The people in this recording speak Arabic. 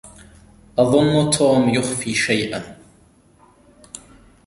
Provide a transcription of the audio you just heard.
أظنّ توم يخفي شيئًا.